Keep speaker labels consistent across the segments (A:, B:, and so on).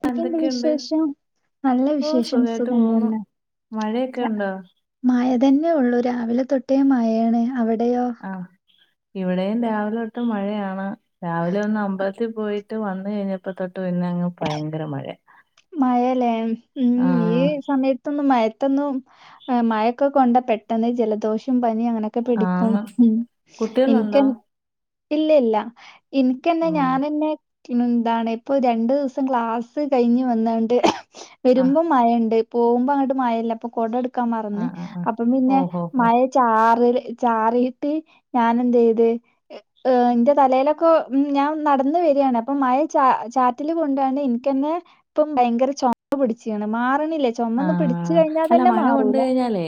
A: എനിക്കെന്ത്
B: എന്തൊക്കെയുണ്ട്
A: വിശേഷം നല്ല
B: ഓ
A: വിശേഷം
B: സുഖായിട്ട് പോവുന്നു
A: സുഖംതന്നെ
B: മഴയൊക്കെ ഉണ്ടോ
A: മയ തന്നെ ഒള്ളു രാവിലെത്തൊട്ടേ മയയാണ് അവിടെയോ
B: ആഹ് ഇവിടെയും രാവിലെ തൊട്ട് മഴയാണ് രാവിലെ ഒന്ന് അമ്പലത്തി പോയിട്ട് വന്ന് കഴിഞ്ഞപ്പോ തൊട്ട് പിന്നെയങ്ങ് ഭയങ്കര മഴ
A: മഴല്ലേ ഉം ഈ
B: ആഹ്
A: സമയത്ത് ത്തൊന്നും മയത്തൊന്നും മയയൊക്കെ കൊണ്ടാ പെട്ടെന്ന് ജലദോഷം പനി അങ്ങനെ ഒക്കെ പിടിക്കും
B: ആന്ന്
A: മ്മ് എനിക്കെ
B: കുട്ടികളുണ്ടോ
A: ഇല്ല ഇല്ല ഇനിക്കെന്നെ
B: ഉം
A: ഞാനെന്നെ ന്നെന്താണ് ഇപ്പൊ രണ്ട് ദിവസം ക്ലാസ്സ് കഴിഞ്ഞ് വന്നാണ്ട്
B: ആഹ്
A: വരുമ്പം മയണ്ട് പോവുമ്പങ്ങട്ട് മയല്ല അപ്പൊ കൊടെടുക്കാമ്മറന്ന്
B: ആഹ് ആഹ് ആഹ്
A: അപ്പം പിന്നെ
B: ഓഹോ ഹോ
A: മയത്- ചാറില് ചാറിട്ട് ഞൻ എന്തയ്ത് ഹ് എന്റെ തലയിലൊക്കെ ഉം ഞാൻ നടന്ന വരിയാണ് അപ്പൊ മഴ ച ചാ തില് കൊണ്ടാണ്ഇൻക്കെന്നെ ഇപ്പ ഭയങ്കര ചൊ മ പിടിചീന്ന് മാർണില്ലേ ചൊമ ഒന്ന് പിടിച്ചു കഴിഞ്ഞാ തന്നെ മാറൂല
B: ഹ ലേ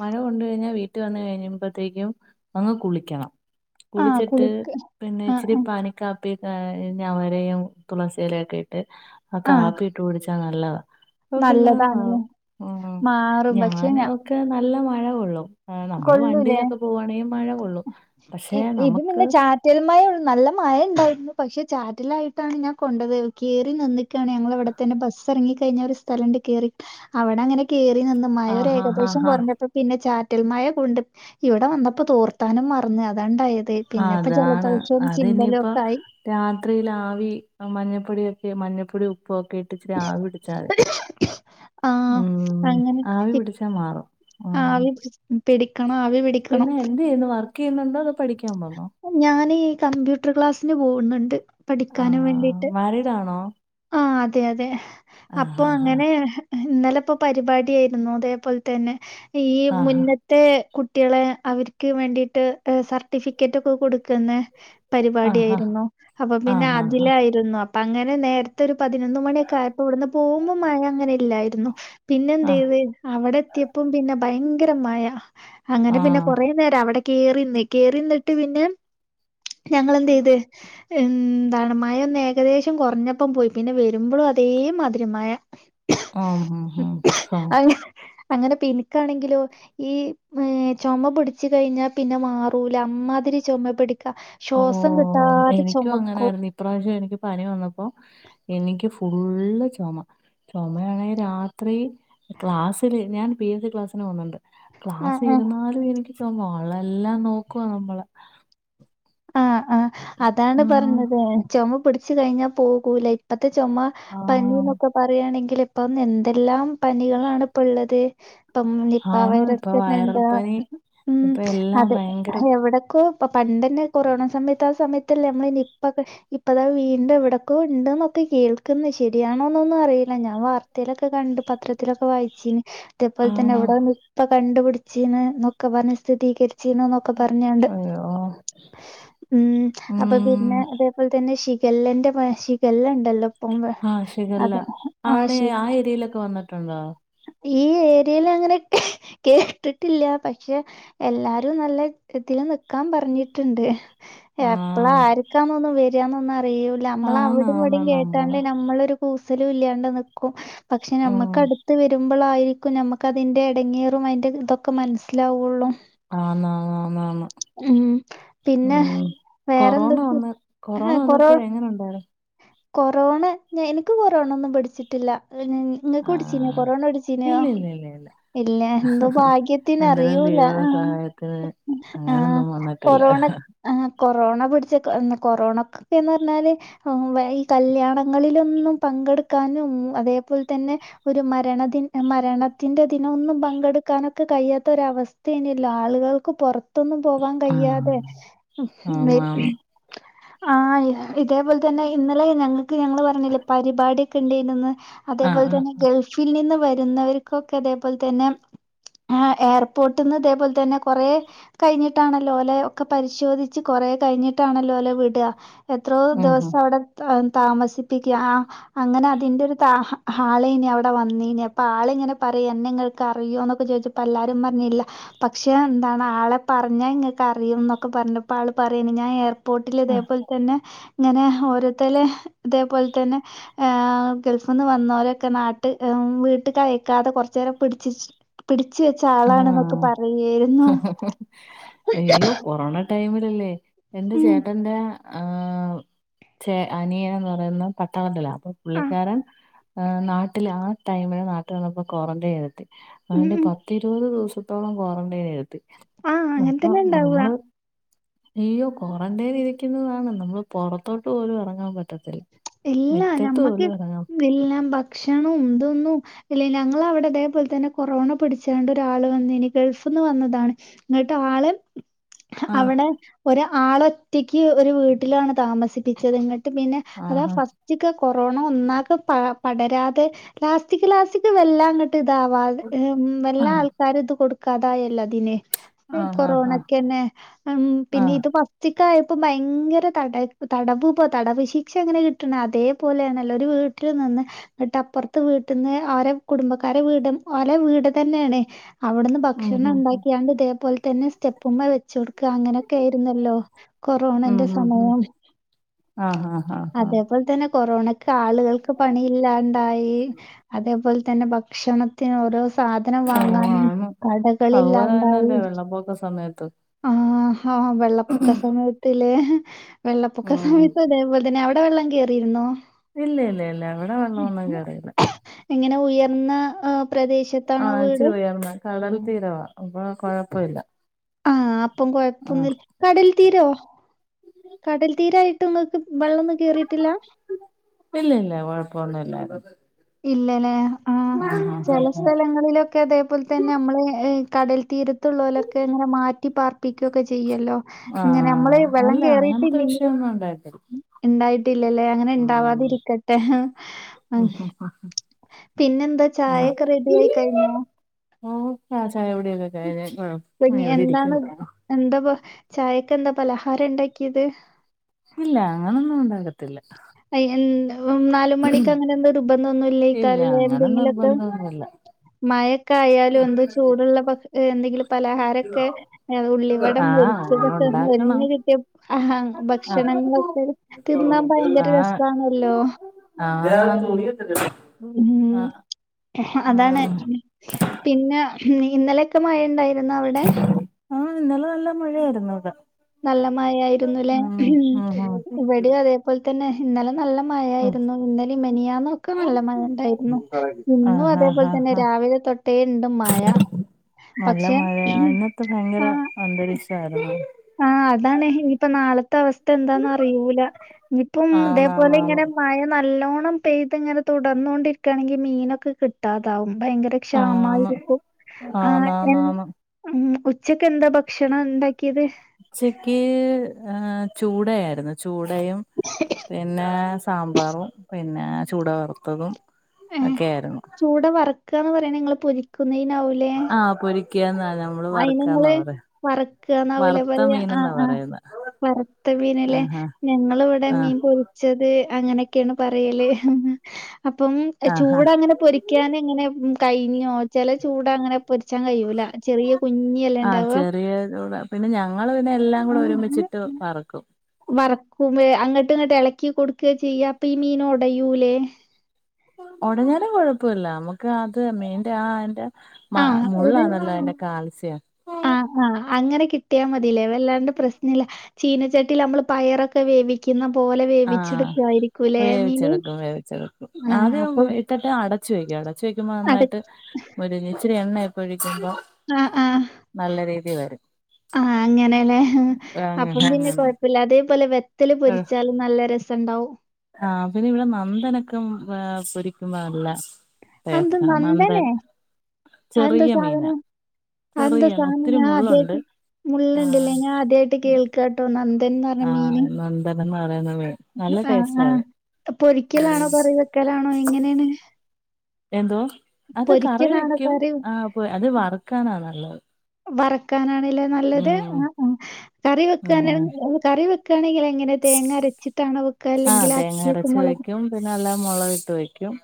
B: മഴ കൊണ്ടഴിഞ്ഞാൽ വീട്ടവന്ന് കഴിഞ്ഞുമ്പോഴത്തേക്കും അങ്ങ് കുളിക്കണം
A: ആഹ്
B: കൂളിച്ചിട്ട്
A: കുളിക്ക്
B: പിന്നെ
A: ആഹ്
B: ഇച്ചിരി പാനി കാപ്പി ഹ് ഞവരയും തുളസിയില ക്കെ ആ
A: ആഹ്
B: കാപ്പിട്ട് കുടിച്ചാ നല്ലതാ അപ്പ പിന്നെ മാ
A: നല്ലതാണ്ല്ലേ
B: ആഹ്
A: മാറും പക്ഷെ
B: ഞൻ
A: ഞാ
B: ഒക്കെ നല്ല മഴകൊള്ളും ആ നമ്മള്
A: കൊള്ളൂലേ
B: വണ്ടിയിലൊക്കെ പോവാണെങ്കി മഴ കൊള്ളും പക്ഷെ നമ്ക്ക്
A: റ്റൽ മഴ ഒള്ള് നല്ല മഴ ണ്ടായിരുന്നു പക്ഷെ ചാറ്റിലായിട്ടാണ് ഞാൻ കൊണ്ടത് കേറിനിന്ന്ക്കാണ് ഞങ്ങളൾവ്ടെ തന്നെ ബസ്സറങ്ങി കഴിഞ്ഞ ഒരു സ്ഥലണ്ട് കേറി അവിടെ അങ്ങനെ കേറി നിന്നു മഴ ഒരു
B: ആഹാ ഹാ
A: ഏകദേശം
B: ഹാ ഹാ
A: കൊറഞ്ഞപ്പോ പിന്നെ ചാറ്റൽമയ കൊണ്ട് ഇവിടെ വന്നപ്പോ തോർത്താനും മറന്ന് അതാണ്ടായത്
B: ആ,
A: പിന്നെപ്പോ ജലദോശവും ചിമ്പലൊക്കായി
B: രാത്രിയിലാവി മഞ്ഞപ്പൊടിയൊക്കെ മഞ്ഞപ്പൊടി ഉപ്പുഒക്കെ ഇ പ്പിച്ചിരി ആവ് പിടിച്ചാല് ആഹ്
A: അങ്ങനെ
B: ആവി പിടിച്ചാ മാറും ആ
A: ആവി പിടിക്കണം ആവി പിടി
B: പിന്നെ എന്ത് ചെയ്യുന്നു വർക്കയ് ന്നുണ്ടോ അതൊ പഠിക്കാൻ പോക്ന്നോ
A: ഞാനീ കമ്പ്യൂട്ട്ർ ക്ലാസ്സിന് പോവ്ന്നുണ്ട് പഠിക്കാനും
B: ആഹ്
A: വേണ്ടിയിട്ട്
B: മാരീഡാണോ
A: ആ അതെ അതെ അപ്പൊ
B: ആഹ് ആഹ്
A: അങ്ങനെ ഇന്നലെപ്പോ പരിപാടി ആയിരുന്നു തേപോലെതന്നെ ഈ
B: ആഹ്
A: മുന്ന ത്തെ കുട്ടികളെ അവർക്ക് വേണ്ടിട്ട് ഹ് സർട്ടിഫിക്കറ്റ് ഒക്കെ കൊടുക്കുന്ന പരിപാടി
B: ആഹ് ആഹ്
A: ആയിരുന്നു അപ്പൊ പിന്നെ
B: ആഹ് ആഹ്
A: അതിലായിരുന്നു അപ്പൊ അങ്ങനെ നേരത്തെ ഒരു പതിനൊന്ന് മണിയൊക്കെ ആയപ്പോ ഇവിടുന്ന് പോകുമ്പോ മഴ അങ്ങനെ ഇല്ലായിരുന്നു. പിന്നെ
B: ആഹ്
A: എന്തയ്ത് അവിടെ എത്തിയപ്പം പിന്നെ ഭയങ്കരമഴ. അങ്ങനെ പിന്നെ
B: ആഹ്
A: കൊറെ പിന്നേരാ അവിടെ കേറിന്ന് കേറിന്നിട്ട് പിന്നെ ഞങ്ങളന്തെയത് എന്താണ് മയ ഒന്ന് ഏകദേശം കുറഞ്ഞപ്പം പോയി പിന്നെ വരുമ്പോഴും അതേ മധുരമായ
B: ഉം ഉം ഉം
A: അ അങ്ങനെ പിനിക്കാണെങ്കിലോ ഈ ഹ് ചൊമ പിടിച്ചുകഴിഞ്ഞാ പിന്നെ മാറൂല അമ്മാതിരി ചൊമേ പിടിക്കാ ശ്വാസം
B: ഓഹ്
A: കിട്ടാതെ
B: എനിക്കും
A: ചൊമക്കും
B: അങ്ങനായിരുന്നു ഇപ്രാവശ്യം എനിക്ക് പനി വന്നപ്പോ എനിക്ക് ഫുള്ള്ചൊമ ചുമയാണെങ്കിൽ രാത്രി ക്ലാസ്സിില് ഞാൻ പി എസ് സി ക്ലാസ്സിന് പോന്നിണ്ട്
A: ആഹ്
B: ക്ലാസിരുന്നാലും എനിക്ക് ചൊമ ആളെല്ലാം നോക്കുന്നമ്മളെ
A: ആഹ ആഹ അതാണ്
B: ആഹ്
A: പറഞ്ഞത് ചൊമപിടിച്ചു കഴിഞ്ഞാ പോകൂല ഇപ്പത്തെ ചൊമ
B: ആഹ്
A: പനിന്നൊക്കെ പറയാണെങ്കിൽ ഇപ്പം എന്തെല്ലാം പനികളാണ് ഇപ്പള്ളത് ഇപ്പം നിപ്പ
B: ആണ്
A: വൈറസ്
B: ഇപ്പൊ വൈറൽ
A: തന്നെണ്ട്
B: പനി
A: ആഹ്
B: ഇപ്പൊ എല്ലാം
A: അതെ
B: ഭയങ്കര
A: എവിടക്കോ ഇപ്പ പണ്ട്ന്നെ കൊറോണസമയത്ത് ആ സമയത്തല്ല നമ്മളനിപ്പൊക്കെ ഇപ്പതാ വീണ്ടും എവിടക്കോ ണ്ട്ന്നൊക്കെ കേൾക്ക്ന്ന് ശരിയാണോന്നൊന്നും അറിയില്ല ഞാൻ വാർ തേലൊക്കെ കണ്ട് പത്രത്തിലൊക്കെ വായിച്ചിന് തപോലെ തന്നെ
B: ആണോ
A: വിടെ നിപ്പ കണ്ടുപിടിച്ചീന്ന്ന്നൊക്കെ പറഞ് സ്ഥിരീകരിച്ചീന്ന്ന്നൊ
B: അയോ....
A: ആഹ് അപ്പൊ പിന്നെ അതേപോലെ തന്നെ ശിഖല്ലന്റെ പ്ര ശിഖല്ലണ്ടല്ലോ [unintelligible] ആ ശരി
B: ദീലൊക്കെ വന്നിട്ടുണ്ടോ
A: ഈ ഏരിയൽ അങ്ങനെ കേട്ടിട്ടില്ല പക്ഷെ എല്ലാരും നല്ല ഇതിൽനിക്കാൻ പറഞ്ഞിട്ട്ണ്ട് എപ്പള
B: ആഹ്
A: ആരിക്കാന്നൊന്നും വരാന്നൊന്നും അറിയൂ ല്ല
B: ആന്ന് ആന്ന്
A: നമ്മളവിടിംവിടേം
B: നമ്മള്
A: കേട്ടണ്ടനമ്മള് നമ്മള് ര് കൂസലു. ല്ല്യാണ്ട്നിക്കും പക്ഷേ
B: ഉം
A: ഞമക്ക അട് മ്പളായിരിക്കും നമുക്കതിന്റെടങ്ങേറും അതിന്റെ തൊക്കെ മനസ്സിലാവുള്ളൂ.
B: ആഹാ ന്ന ന്ന ന്ന്
A: ഉം പിന്നെ
B: ഉം കൊറോണ
A: വേറെന്തൊക്കെ
B: വന്ന് കൊറോണ
A: ആഹ് കൊറോ
B: വന്നപ്പോ എങ്ങനെ ഉണ്ടാരു?
A: കൊറോണ ഞ് എനിക്ക് കൊറോണൊന്നും പിടിച്ചിട്ടില്ല [unintelligible] ൺ നിനക്ക്ടിച്ചീനൊ കൊറോണ ടിച്ചീനോ?
B: ഇല്ലേല്ല.
A: ഇല്ല എന്തോ ഭാഗ്യത്തിന് അറിയൂല
B: ദൈവ
A: ആഹ്
B: സഹായത്തിന്
A: ആഹ്
B: അങ്ങനൊന്നും വന്നിട്ടില്ല
A: കൊറോണ ആ കൊറോണ പിടിച്ച് കൊറോണക്കൊക്കെന്ന് പറഞ്ഞാല് ഉം വൈ ഈ കല്യാണങ്ങളിലൊന്നും പങ്കെടുക്കാനും അതേപോലെ തന്നെ ഒരു മരണദിൻ മരണത്തിന്റെ തിനൊന്നും പങ്കെടുക്കാനൊക്കെ കഴിയാത്തര അവസ്ഥ തിന്നില്ല ആളുകൾക്ക് പൊറ ത്തൊന്നും പോവാൻ
B: ആഹ്
A: കയ്യാതെ ഉം
B: ആന്ന് ആന്ന്
A: [unintelligible] ആഹ് ഇതേപോലെ തന്നെ ഇന്നലെ ഞങ്ങക്ക് ഞങ്ങൾ പറഞ്ഞില്ലേ പരിപാടി ക്ക് ണ്ടേനേന്ന്
B: ആഹ്
A: അതേപോലെ
B: ആഹ്
A: തന്നെ ഗൾഫിൽ നിന്ന് വരുന്നവർക്കൊക്കെ അതേപോലെ തന്നെ ആഹ് എയർപോർട്ട്ന്ന് തേപോലെ തന്നെ കൊറേ കഴിഞ്ഞിട്ടാണോല്ലോലെ ക്കെ പരിശോധിച്ച് കൊറേ കഴിഞ്ഞിട്ടാണോല്ലോലെ വിടാ. എത്രോ
B: ഉം ഉം
A: ദിവസം അവിടെ താമസിപ്പിക്ക ആ അങ്ങനെ അതിന്റോരു തഹ ഹാളെ നി അവിടെ വന്നീനി അപ്പൊ ആളിങ്ങനെ പറയും എന്നെങ്ങൾക്കറിയോന്നൊക്കെ ചോദിച്ചപ്പ എല്ലാരും പറഞ്ഞില്ല പക്ഷെ എന്താണ് ആളെ പറഞ്ഞാ ഇങ്ങക്ക് അറിയും ന്നൊക്കെ പറഞ്ഞപ്പോ ആള് പറയാണ് ഞാൻ ഏർ പോട്ടില്
B: ആഹ്
A: ഇതേപോലെ തന്നെ ഇങ്ങനെ ഹോരോത്തല് ഇതേപോലെ തന്നെ ഏ ഗൾഫ്ന്ന് വന്നോരൊക്കെ നാട്ട് വീട്ട്ക്കയക്കാതെ കുറച്ചേരം പിടിച്ചിച്ച് പിടിച്ച് വെച്ച ആളാണാന്നൊക്കെ
B: ആഹ്
A: പറയേര്ന്നു.
B: അയ്യോ
A: [unintelligible]
B: കൊറോണ ടൈമിലല്ലേ എന്റെ ചേട്ടന്റെ ആഹ്.... ചെ അനിയനെന്ന് പറയുന്ന് പട്ടണത്തിലാ. പു
A: ആഹ്
B: പുള്ളിക്കാരൻ ആ നാട്ടില് ആ ടൈമിന് നാട്ടിൽ വന്നപ്പോ ക്വാറന്റൈൻ ഇര്ത്തി.
A: ഉം
B: അവന്റെ
A: ഉം
B: പത്ത് ഇരുപത് ദിവസത്തോളം ക്വാറന്റൈൻ ഇരുത്തി
A: ആഹ് അങ്ങനെ
B: അപ്പൊ
A: തന്നെ ഉണ്ടാവുക
B: നമ്മള് അയ്യോ ക്വാറന്റൈൻ ഇരിക്കുന്നതാണ് നമ്മള് പുറത്തോട്ട്പോലും എറങ്ങാൻ പറ്റത്തില്ല.
A: ഇല്ലാ
B: മിറ്റത്ത്
A: ഞമ്മക്ക്
B: പോലും ഇറങ്ങാൻ
A: ഇല്ലാ ഭക്ഷണും ഇതൊന്നും ഇല്ല ഞങ്ങളൗടെ ഇതേപോലെ തന്നെ കൊറോണ പിടിച്ചാണ്ട് ഒരാള് വന്നീനി, ഗൾഫ്ന്ന് വന്നതാണ്. ഇങ്ങട്ട് ആള്
B: ആഹ്
A: അവിടെ ഒര് ആളൊറ്റെക്ക് ഒരു വീട്ടിലാണ് താമസിപ്പിച്ചത്. ഇങ്ങട്ട് പിന്നെ അതാ
B: ആഹാ
A: ഫസ്റ്റ്ക്ക് കൊറോണ ഒന്നാകെ പ പടരാതെ ലാസ്റ്റിക് ലാസ്റ്റിക്ക് വെല്ലാങ്ങട്ട് ട്ട് ഇതാവാതെ ഹ് മ് വെല്ലാ
B: ആഹ്
A: ആൾക്കാരും ഇത് കൊടുക്കാതായല്ലോ അതിന്. ഈ
B: ആഹ് ആഹ് ആഹ്
A: കൊറോണക്കെന്നെ ഉം പിന്നെ
B: ആഹ്
A: ഇത് ഫസ് റ്റിക്കായപ്പോ ഭയങ്കര തട തടവു പൊ തടവുശി ക്ഷെ എങ്ങനെ കിട്ട്ണെ അതേപോലാണെല്ലോ ഒരു വീട്ടിൽ നിന്ന് ന്നെട്ടപ്പറ്ത്തെ വീട്ട്ന്ന് അവരെ കുടുംബക്കാരെ വീടും ഓലെ വീട് തന്ന്യാണ്. അവിട്ന്ന്
B: ഉം
A: ഭക്ഷണം
B: ഉം ഉം
A: ഉണ്ടാക്കിയാണ്ട് ഇതേപോലെ തന്നെ സ്റ്റെപ്പുമ്മെ വെച്ചൊട്ക്കാ അങ്ങനെ ഒക്ക്യായിരുന്നല്ലോ. കൊറോണന്റെ സമയം
B: ആ ആ ആഹ്
A: അതേപോലെ തെന്നെ കൊറോണക് ക്കാളുകൾക്ക് പണി ഇല്ലാണ്ടായീ അതേപോലെ തന്നെ ഭക്ഷണത്തിന് ഓരോ സാധനം
B: ആഹ് ഓ
A: വാങ്ങാനും
B: ആണ് അതുപോലെ
A: കടകളില്ലാണ്ടായി.
B: തന്നെല്ലേ വെള്ളപ്പൊക്ക സമയത്ത്
A: ആ ഹാ വെള്ളപ്പൊക്ക സമയത്തിലേ വെള്ളപ്പൊക്ക
B: ഉം
A: സമത്തിതേപോലെ തന്നെ അവിടെ വെള്ളം കേറിയിരുന്നോ?
B: ഇല്ലെ ഇല്ലെ ഇല്ല്യാ ഇവിടെ വെള്ളൊന്നും കേറീല.
A: എങ്ങനെ ഉയർന്ന ഹ് പ്രദേശ്
B: ആ ഇച്ചിരി ഉയർന്ന കടൽ തീരവാ അപ്പൊ കൊഴപ്പൊല്ല്യാ
A: ആഹ് അപ്പം കൊഴപ്പൊന്നുല് കടൽ തീരോ കടൽ തീരായിട്ട് ഇങ്ങക്ക് വെള്ളൊന്നും കേറീട്ടില്ലാഹ്.
B: ഇല്ലെ ഇല്ല്യാ കൊഴപ്പൊന്നും ഇല്ലായി
A: ഇല്ലലേ ആഹ് ചെല
B: ആഹ്
A: സ്ഥലങ്ങളിലൊ ക്കെ തേപോലെതെന്നെ അമ്മള് കടൽ തീരത്തുള്ളോലൊക്കെ ഇങ്ങനെ മാറ്റി പാർപ്പിക്കുക്കൊക്കെ ചെയ്യൊല്ലോ
B: ആഹ്
A: ഇങ്ങനെ അമ്മള്
B: ആഹ്
A: വെള്ളം
B: അല്ല അങ്ങനത്തെ
A: കേറിയിട്ടില്ലെങ്കിലും
B: വിഷയൊന്നും ഉണ്ടായിട്ടില്ല
A: മ്ഇണ്ടായിട്ടില്ലല്ലേ അങ്ങനെ
B: ആഹ്
A: ഇണ്ടാവാതിരിക്കെ തെഹ് അഹ്
B: ഉം ഉം
A: പിന്നെ ന്താ ചായൊക്കെ റെഡി ആയി കഴിഞ്ഞോ
B: മ് ആ ചായ കുടിയൊക്കെ കഴിഞ്ഞ് ഇവിടെ ഇരിക്കുന്നു
A: എന്താപൊ ചായക്കെന്താ പലഹാരം ണ്ടാക്കിയത്.
B: ഇല്ലാഹ് അങ്ങനൊന്നും ഉണ്ടാകത്തില്ല
A: അയീ എന്താ നാലുമണിക്ക് അങ്ങനെ എന്തോ
B: ഇല്ല
A: നിർബന്ധുന്നുല്ല്യേകാരം ല്ലേ
B: അങ്ങനെ
A: എന്തെങ്കിലൊക്കെ
B: നിർബന്ധമൊന്നുമില്ല
A: മയൊക്കെ ആയാലും എന്തോ ചൂടുള്ള പഫ്ഹ് എന്തെങ്കിലും പലഹാരൊക്കെ ഉള്ളിവട
B: ആഹ് അങ്ങനെ
A: മൊരിച്ചതൊക്കെ ഹ്
B: ഉണ്ടാക്കണം
A: മൊരിഞ്ഞ് കിട്ടിയപ്പൊ ഹാഹാ
B: ആ
A: ക്ഷണങ്ങളൊക്കെ തിന്നാൻ ഭയങ്കര രസാണല്ലോ.
B: ആഹ് ഹാ
A: ഉംഹു അതാണ് പിന്നെ നീ ഇന്നലെ പ്പം മഴ ഇണ്ടായിരുന്നോ അവെടെ
B: ആഹ് ഇന്നലെ നല്ല മഴ ആയിരുന്നു ഇവിടെ
A: നല്ല മഴായിരുന്നുല്ലേ ഉം ഇവിടേ അതേ തുപോലെ തന്നെ ഇന്നലെ നല്ല
B: ഉം
A: മഴയായിരുന്നു ഇന്നലിം മെനിയാന്നൊക്കെ നല്ല മഴ ഇണ്ടായിരുന്നു
B: ഉം
A: ന്നും ഇന്നും
B: ആഹ് ആഹ് ആഹ്
A: അതേപോലെതെന്നെ
B: ആഹ്
A: രാവിലെ തൊട്ടേണ്ട് മഴ
B: നല്ല
A: പക്ഷെ
B: മഴയാ ഇന്നത്തെ ഭയങ്കര
A: ആ
B: അന്തരീക്ഷായിരുന്നു.
A: ആഹ് അതാണെ ഇനിപ്പൊ നാളത്തെ അവസ്ഥ എന്താന്നറിയൂല ഇനിപ്പം ഇതേപോലെ
B: ആന്നാന്നാന്ന്
A: ഇങ്ങനെ മഴ നല്ലോണം പെയ്ത് ഇങ്ങനെ തുടർന്നോണ്ടിരിക്കാ ണെങ്കിൽ മീനൊക്കെ കിട്ടാതാവും ഭയങ്കര
B: ആന്ന്
A: ക്ഷാമായിരിക്കും ആ എൻ-
B: ആന്നാന്നാന്ന്
A: ഉം ഉച്ചക്ക് എന്താ ഭക്ഷണം ണ്ടാക്കിയത്
B: ഉച്ചക്ക് ഏ ചൂടയായിരുന്നു ചൂടയും പിന്നെ സാമ്പാറും പി പിന്നെ ചൂട വറുത്തതും
A: ഏഹ്
B: ഒക്കെ യാ യിരുന്നു
A: ചൂട വർക്കാ ന്ന് പറയ്ണ ഇങ്ങള് പൊരിക്കുന്നതിനാവും
B: ആഹ് പൊരിക്കിയാന്ന
A: അയിന് ങ്ങള് വറക്കന്നാവൂല്ലേ
B: വറുത്ത
A: പഞ്ഞാ ആ
B: മീനെന്നാ
A: ആ
B: പറയുന്നെ
A: വറത്ത മീനല്ലേ
B: ആഹാ
A: ഞങ്ങള് വിടെ
B: ആഹ്
A: മീൻ പൊരിക്ക് - ച്ചത് അങ്ങനെക്കെണ് പറയല് അപ്പം
B: ആഹാ
A: ചൂട അങ്ങനെ പൊരി ക്കാന ഇങ്ങനെ കഴിഞ്ഞോ ചില ചൂട അങ്ങനെ പൊരിച്ചാൻ കയൂല ചെറിയ കുഞ്ഞു
B: ആ ചെറിയ ചൂട പിന്നെ ഞങ്ങള് പിന്നെ എല്ലാം കൂടെ ഒരുമിച്ചിട്ട് വ റക്കും
A: വറക്കും അങ്ങട്ടു ഇങ്ങട്ട് എളക്കി കൊടുക്ക ചെയ്യാ അപ്പൊ ഈ മീൻ ഒടയൂലേ
B: ഒടഞ്ഞാലും കൊഴപ്പല്ല മ്മക്ക് അത് മീന്റെ ആ ന്റെ
A: ആ
B: മ മുള്ളാണല്ലോ അതിന്റെ കാൽസ്യം
A: ആഹ ആഹ് അങ്ങനെ കിട്ടിയ മതില്ലേ വല്ലാണ്ട് പ്രശ്നല്ല ചീനച്ചട്ടി നമ്മള് പയറൊക്കെ ക്കെ വേവിക്കുന്ന പോലെ
B: ആഹ്
A: വേവിച്ചെടുക്കായിരിക്കും ലേ മീന്
B: വേവിച്ചെടുക്കും
A: ആ അപ്പൊ
B: ഇട്ടട്ട് അടച്ചു വയ്ക്കും അടച്ചു വെക്കുമ്പ
A: അട
B: നന്നായിട്ട് ഒരു ഇച്ചിരി എണ്ണയക്കൊഴിക്കുമ്പോ
A: ആഹ ആ അങ്ങനെല്ലേ അപ്പം
B: അങ്ങനെ
A: പിന്നെ കൊഴ
B: അങ്ങനെ
A: ല്ല അതേപോലെ വെത്തല് പൊരിച്ചാലും നല്ല രസണ്ടാവും
B: ആഹ പിന്നെ ഇവിടെ നന്ദനൊക്കെ പൊരിക്കുമ്പോ നല്ല
A: അതെന്താ
B: [unintelligible]
A: നന്ദനേ?
B: നന്ദൻ
A: അതെന്താ
B: ചെറിയ മീന
A: സാധനം? അതെന്താ
B: ചെറിയണ്
A: സാധനം?
B: ഒത്തിരി
A: ഞാൻ
B: മുള്ളുണ്ട്
A: ആദ്യായിട്ട്
B: ആഹ്
A: കേട്ടോ നന്തന്ന
B: ആഹ് നന്തനം ന്ന് പറയുന്ന മീൻ നല്ല
A: ആ ആ
B: ടേസ്റ്റാ അത്
A: പൊരിക്കലാണോ കറി വെക്കലാണോ എങ്ങനെയാണ്.
B: എന്തോ അത് കറി
A: പൊരിക്കലാണോ
B: വെക്കും
A: കറി
B: ആ അത് വറുക്കാനാ നല്ലത്.
A: വറക്കാനാണ്ല്ലേ നല്ലത്
B: ഉം
A: ആ കറി വെക്കാന
B: ഉം
A: കറി വെക് ക്കാണെങ്കിലങ്ങനെ തേങ്ങ അരച്ചിട്ടാണോ വെക്ക അല്ലങ്കില് അച്ചേക്ക് മുളക് ട്ട്
B: പിനെല്ലാം മുളക് ഇട്ട് വെക്കും.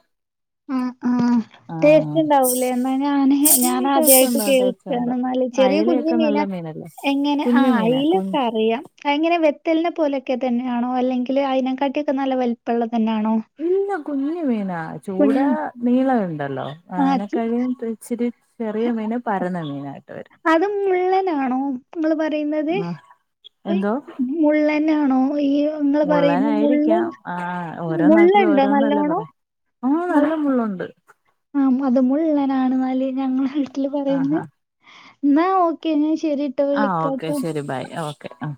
A: ആഹ് ആഹ്
B: ആഹ്
A: ടേസ്റ്റ് ണ്ടാവൂലേ ന്നാ ഞന്
B: ഉം
A: ഞാന്
B: ടേസ്റ്റ്
A: ആദ്യായിട്ട്
B: ഉണ്ട് ടേസ്റ്റ് ഉണ്ട്
A: കേൾക്കാണ് ഇന്നാ ല് ചെറിയെ കുഞ്
B: അയലയൊക്കെ നല്ല
A: മീനാ
B: മീനല്ലേ
A: എങ്ങനെ ആ
B: കുഞ്ഞു മീനാ
A: അയ്ല
B: കുഞ്
A: ക്കെ അറിയാം. എങ്ങനെ വെത്തലിനെ പോലെയൊക്കെ തന്നെയാണോ അല്ലെങ്കിൽ അയിനെകാട്ടിയോക്കെ നല്ല വലി പ്പള്ളതന്നെയാണോ?
B: ഇല്ല കുഞ്ഞു മീനാ ചൂടാ നീള ണ്ടല്ലോ.
A: ആഹ്
B: ആനെക്കഴിയും ഇച്ചിരി ചെറിയ മീൻ പരന്ന മീനായിട്ട് വരും.
A: അത് മുള്ളനാണോ ഇങ്ങൾ പറയുന്നത്?
B: ആ എന്തോ
A: മുള്ളനാണോ ഈ ഇങ്ങള് പറയുന്ന മുള്ള്
B: മുള്ളനായിരിക്കാം ആ ഓരോ നാട്ടിലും
A: മുള്ളുണ്ടോ
B: ഓരോന്നല്ലേ പറ
A: നല്ലോണം
B: ആ നല്ല മുള്ളൂണ്ട്.
A: ആ അത് മുള്ളനാണ്ന്നാൽ ഞങ്ങളെ നാട്ടിൽ പറയുന്നേ
B: ആഹാ
A: ന്നാ ഓക്കെ ൻ ശരി
B: ആ ഓക്കെ ശരി ബായ് ഓക്കെ ആ